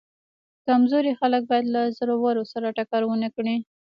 کمزوري خلک باید له زورورو سره ټکر ونه کړي.